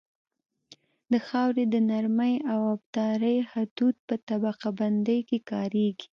د خاورې د نرمۍ او ابدارۍ حدود په طبقه بندۍ کې کاریږي